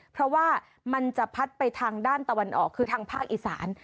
เพราะว่ามันจะพัดไปทางด้านตะวันออกคือทางภาคอีสาน